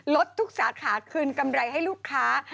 ลดทุกสาขาคืนกำไรให้ลูกค้า